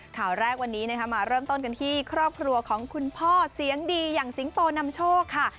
ข่าวแรกวันนี้นะคะมาเริ่มต้นกันที่ครอบครัวของคุณพ่อเสียงดีอย่างสิงโตนำโชคค่ะ